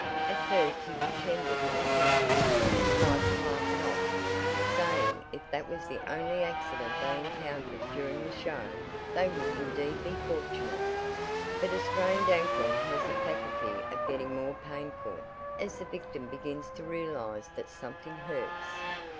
At first he pretended it was nothing, and tried to laugh it off, saying if that was the only accident they encountered during the "show" they would indeed be fortunate. But a strained ankle has the faculty of getting more painful as the victim begins to realize that something hurts.